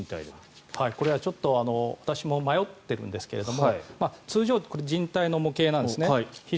これは私も迷ってるんですが通常これ、じん帯の模型なんですね。